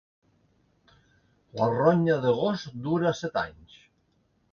La ronya de gos dura set anys.